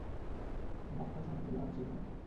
মক্কা সমগ্ররাত জেগে থাকে।